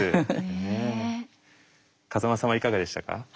風間さんはいかがでしたか？